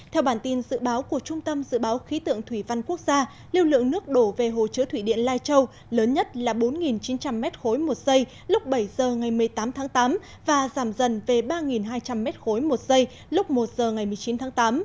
theo bản tin dự báo của trung tâm dự báo khí tượng thủy văn quốc gia lưu lượng nước đổ về hồ chứa thủy điện lai châu lớn nhất là bốn chín trăm linh m ba một giây lúc bảy h ngày một mươi tám tháng tám và giảm dần về ba hai trăm linh m ba một giây lúc một giờ ngày một mươi chín tháng tám